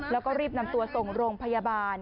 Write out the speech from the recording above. แล้วก็รีบนำตัวส่งโรงพยาบาล